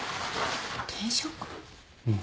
うん。